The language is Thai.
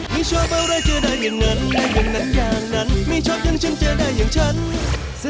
ไม่ชอบยังฉันเจอได้อย่างฉัน